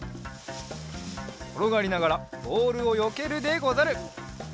ころがりながらボールをよけるでござる。